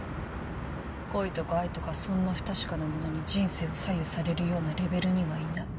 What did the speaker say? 恋とか愛とかそんな不確かなものに人生を左右されるようなレベルにはいない。